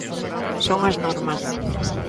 Son as normas.